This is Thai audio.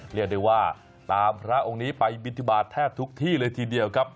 เรียกได้ว่าตามพระองค์นี้ไปบินทบาทแทบทุกที่เลยทีเดียวครับ